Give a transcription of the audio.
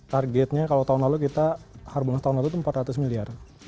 targetnya kalau tahun lalu kita harbonas tahun lalu itu empat ratus miliar